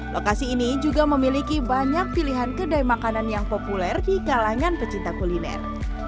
lokasi ini juga memiliki banyak pilihan kedai makanan yang populer di kalangan pecinta kuliner